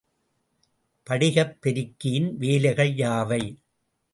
படிகப்பெருக்கியின் வேலைகள் யாவை?